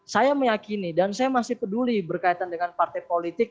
saya meyakini dan saya masih peduli berkaitan dengan partai politik